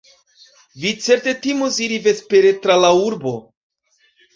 Vi certe timos iri vespere tra la urbo.